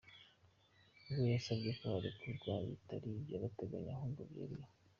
We yasabye ko barekurwa bitari iby ’agateganyo, ahubwo byeruye.